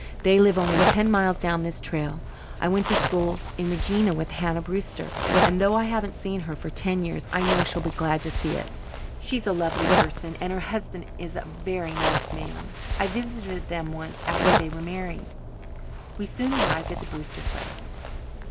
"They live only ten miles down this trail. I went to school in Regina with Hannah Brewster, and though I haven't seen her for ten years I know she'll be glad to see us. She's a lovely person, and her husband is a very nice man. I visited them once after they were married." We soon arrived at the Brewster place.